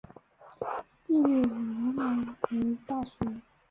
毕业于辽宁大学。